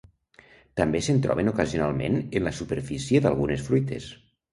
També se'n troben ocasionalment en la superfície d'algunes fruites.